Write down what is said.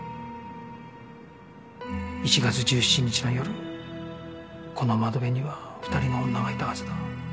１月１７日の夜この窓辺には２人の女がいたはずだ